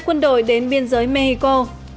quân đội đến biên giới mexico